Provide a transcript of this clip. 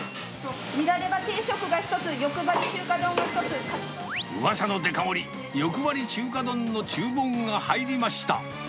ニラレバ定食が１つ、うわさのデカ盛り、よくばり中華丼の注文が入りました。